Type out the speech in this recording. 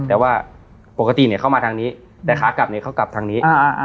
แต่ว่าปกติเนี่ยเข้ามาทางนี้แต่ขากลับเนี่ยเขากลับทางนี้